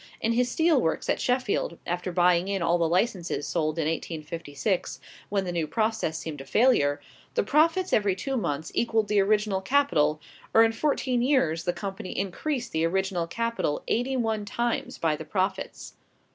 In his steel works at Sheffield, after buying in all the licenses sold in 1856, when the new process seemed a failure, the profits every two months equalled the original capital, or in fourteen years the company increased the original capital eighty one times by the profits.